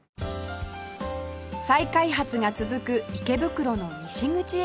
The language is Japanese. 再開発が続く池袋の西口エリア